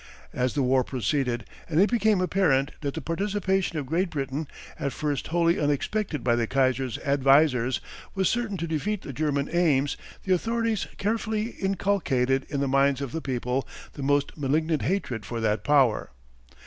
As the war proceeded, and it became apparent that the participation of Great Britain at first wholly unexpected by the Kaiser's advisers was certain to defeat the German aims, the authorities carefully inculcated in the minds of the people the most malignant hatred for that power.